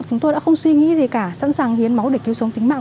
là một hành động mang ý nghĩa nhân văn hết sức sâu sắc